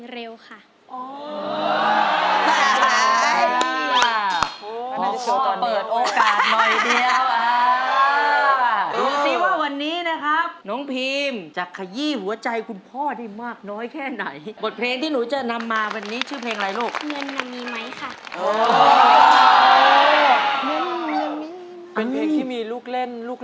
รอบนี้น้องพีมจะใช้เพลงช้าหรือเพลงเร็วลูก